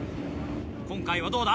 今回はどうだ？